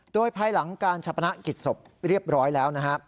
โดยภายหลังการชะพนักกิจศพเรียบร้อยแล้วนะฮะ